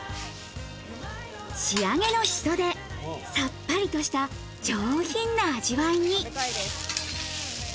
仕上げのシソで、さっぱりとした上品な味わいに。